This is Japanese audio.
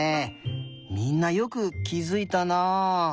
みんなよくきづいたな。